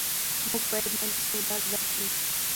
موږ باید مالي سواد زده کړو.